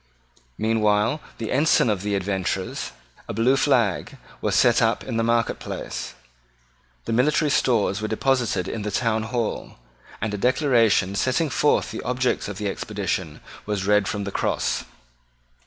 Meanwhile the ensign of the adventurers, a blue flag, was set up in the marketplace. The military stores were deposited in the town hall; and a Declaration setting forth the objects of the expedition was read from the Cross.